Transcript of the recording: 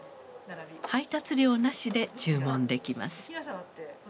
配達料なしで注文できます。